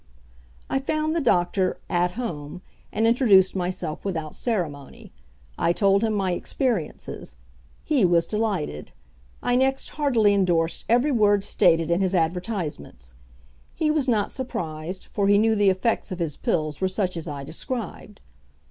I found the doctor "at home," and introduced myself without ceremony. I told him my experiences. He was delighted. I next heartily indorsed every word stated in his advertisements. He was not surprised, for he knew the effects of his pills were such as I described.